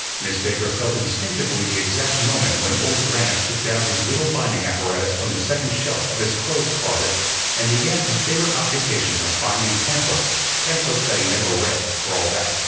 Miss Baker felt instinctively the exact moment when Old Grannis took down his little binding apparatus from the second shelf of his clothes closet and began his favorite occupation of binding pamphlets pamphlets that he never read, for all that.